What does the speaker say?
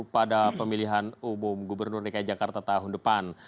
pada pemilihan umum gubernur dki jakarta tahun depan